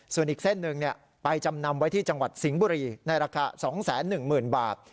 ส่วนอีกเส้นหนึ่งไปจำนำไว้ที่จังหวัดสิงห์บุรีในราคา๒๑๐๐๐บาท